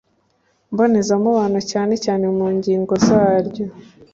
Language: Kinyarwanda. mboneza mubano cyane cyane mu ngingo zaryo